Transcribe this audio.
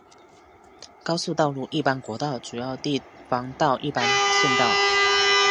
高速道路一般国道主要地方道一般县道